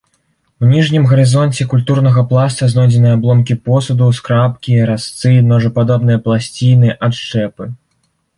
У ніжнім гарызонце культурнага пласта знойдзены абломкі посуду, скрабкі, разцы, ножападобныя пласціны, адшчэпы.